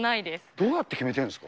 どうやって決めてるんですか？